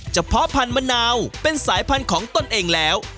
เพาะพันธุ์มะนาวเป็นสายพันธุ์ของตนเองแล้ว